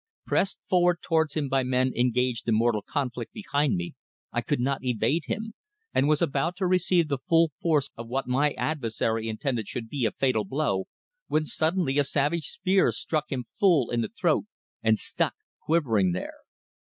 Pressed forward towards him by men engaged in mortal conflict behind me, I could not evade him, and was about to receive the full force of what my adversary intended should be a fatal blow, when suddenly a savage spear struck him full in the throat, and stuck quivering there.